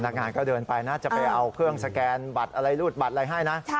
งานก็เดินไปนะจะไปเอาเครื่องสแกนบัตรอะไรรูดบัตรอะไรให้นะ